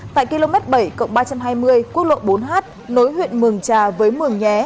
tại km bảy ba trăm hai mươi quốc lộ bốn h nối huyện mường trà với mường nhé